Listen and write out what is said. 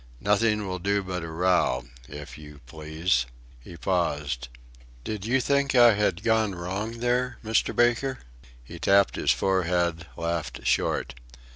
Nothing will do but a row if you please." He paused. "Did you think I had gone wrong there, Mr. Baker?" He tapped his forehead, laughed short.